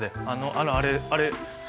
あのあれあれねえ。